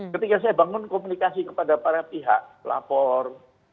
ketika saya bangun komunikasi kepada para pihak pelapor